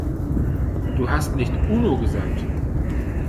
Du hast nicht Uno gesagt.